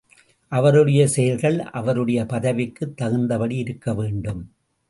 அவருடைய செயல்கள் அவருடைய பதவிக்குத் தகுந்தபடி இருக்க வேண்டும்.